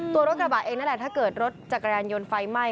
ตัวรถกระบะเองนั่นแหละถ้าเกิดรถจักรยานยนต์ไฟไหม้